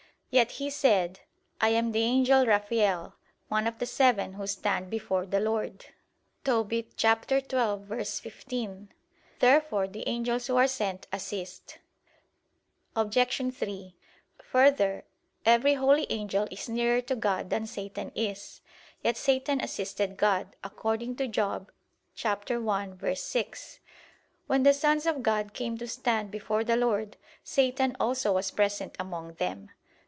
Yet he said, "I am the angel Raphael, one of the seven who stand before the Lord" (Tob. 12:15). Therefore the angels who are sent, assist. Obj. 3: Further, every holy angel is nearer to God than Satan is. Yet Satan assisted God, according to Job 1:6: "When the sons of God came to stand before the Lord, Satan also was present among them."